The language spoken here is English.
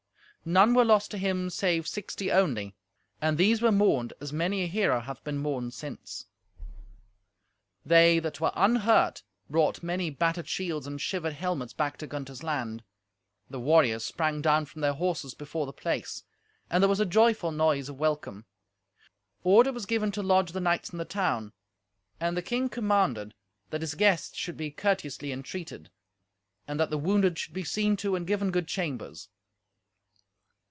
None were lost to him save sixty only, and these were mourned as many a hero hath been mourned since. They that were unhurt brought many battered shields and shivered helmets back to Gunther's land. The warriors sprang down from their horses before the place, and there was a joyful noise of welcome. Order was given to lodge the knights in the town, and the king commanded that his guests should be courteously entreated, and that the wounded should be seen to and given good chambers.